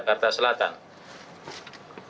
dan di jalan imam bonjol